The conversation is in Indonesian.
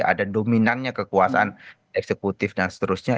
ada dominannya kekuasaan eksekutif dan seterusnya